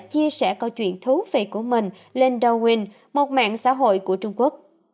chia sẻ câu chuyện thú vị của mình lên dowin một mạng xã hội của trung quốc